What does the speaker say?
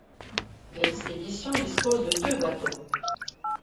L'expédition dispose de deux bateaux.